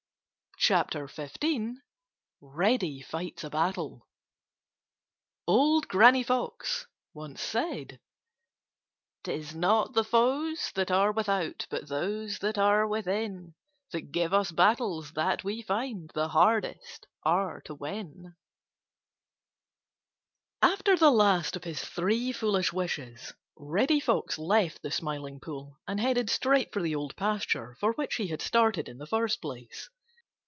CHAPTER XV Reddy Fights A Battle 'Tis not the foes that are without But those that are within That give us battles that we find The hardest are to win. —Old Granny Fox. After the last of his three foolish wishes, Reddy Fox left the Smiling Pool and headed straight for the Old Pasture for which he had started in the first place.